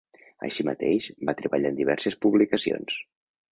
Així mateix, va treballar en diverses publicacions.